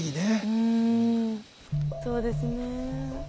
うんそうですね。